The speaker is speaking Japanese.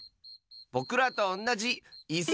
ぼくらとおんなじいす！